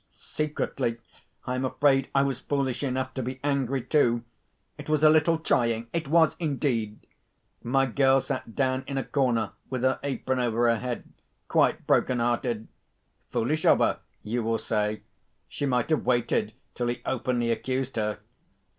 Secretly, I am afraid I was foolish enough to be angry too. It was a little trying—it was, indeed. My girl sat down in a corner, with her apron over her head, quite broken hearted. Foolish of her, you will say. She might have waited till he openly accused her.